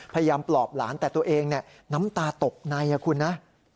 ปลอบหลานแต่ตัวเองน้ำตาตกในคุณนะ